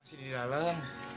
masih di dalem